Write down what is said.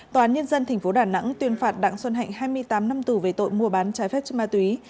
tòa án nhân dân tp đà nẵng tuyên phạt đặng xuân hạnh hai mươi tám năm tù về tội mua bán trái phép chất ma túy